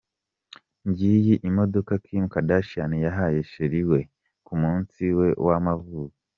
Ngiyi imodoka Kim Kardashian yahaye cheri we ku munsi we w'amavuko.